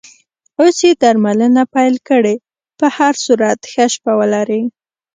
اوس یې درملنه پیل کړې، په هر صورت ښه شپه ولرې.